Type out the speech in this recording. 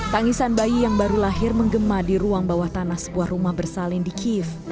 tangisan bayi yang baru lahir menggema di ruang bawah tanah sebuah rumah bersalin di kiev